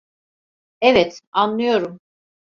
Evet, anlıyorum.